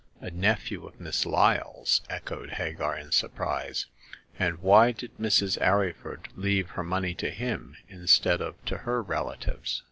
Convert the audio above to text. A nephew of Miss Lyle's !" echoed Hagar, in surprise. And why did Mrs. Arryford leave her money to him instead of to her relatives